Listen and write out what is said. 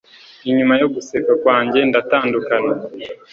inyuma yo guseka kwanjye ndatandukana